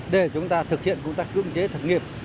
để chúng ta thực hiện công tác cương chế thực nghiệp